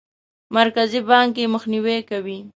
مرکزي بانک یې مخنیوی کوي.